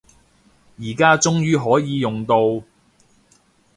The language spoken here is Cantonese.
而家終於可以用到